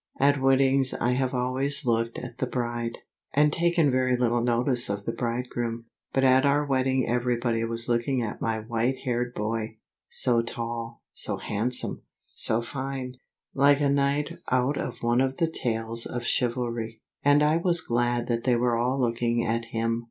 At weddings I have always looked at the bride, and taken very little notice of the bridegroom. But at our wedding everybody was looking at my white haired boy so tall, so handsome, so fine like a knight out of one of the tales of chivalry. And I was glad that they were all looking at him.